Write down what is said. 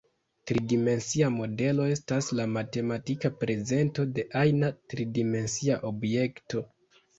Tridimensia modelo estas la matematika prezento de ajna tridimensia objekto.